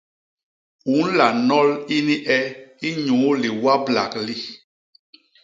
U nla nol ini e inyuu liwablak li.